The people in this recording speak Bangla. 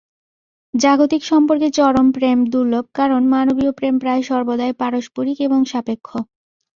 জাগতিক সম্পর্কে চরম প্রেম দুর্লভ, কারণ মানবীয় প্রেম প্রায় সর্বদাই পারস্পরিক এবং সাপেক্ষ।